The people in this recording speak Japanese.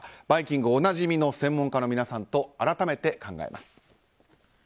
「バイキング」おなじみの専門家の皆さんと改めて考えます。